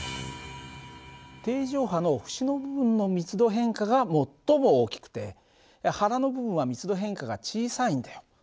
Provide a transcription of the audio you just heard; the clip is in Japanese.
定常波の節の部分の密度変化が最も大きくて腹の部分は密度変化が小さいんだよ。